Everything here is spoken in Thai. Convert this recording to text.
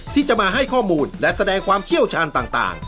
ที่จะมาให้ข้อมูลและแสดงความเชี่ยวชาญต่าง